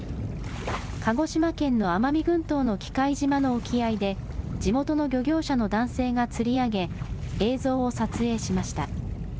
鹿児島県の奄美群島の喜界島の沖合で、地元の漁業者の男性が釣り上げ、映像を撮影しました。